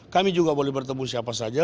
kami juga boleh bertemu siapa saja